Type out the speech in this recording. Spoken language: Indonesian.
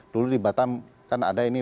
dulu di batam kan ada ini